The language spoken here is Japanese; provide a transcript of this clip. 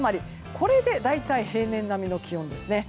これで大体平年並みの気温ですね。